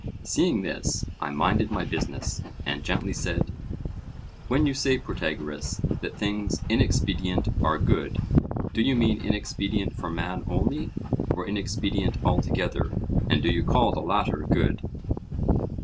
Seeing this, I minded my business, and gently said: When you say, Protagoras, that things inexpedient are good, do you mean inexpedient for man only, or inexpedient altogether? and do you call the latter good?